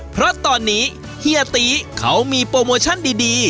เพราะตอนนี้เฮียตีเขามีโปรโมชั่นดี